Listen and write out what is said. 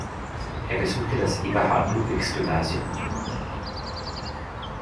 Er besuchte das Eberhard-Ludwigs-Gymnasium.